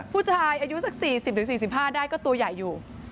ผู้ชายอายุสัก๔๐๔๕ได้ก็ตัวใหญ่อยู่